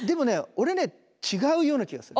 俺ね違うような気がする。